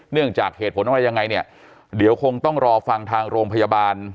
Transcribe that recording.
เนื่องจากเหตุผลอะไรยังไงเนี่ยเดี๋ยวคงต้องรอฟังทางโรงพยาบาล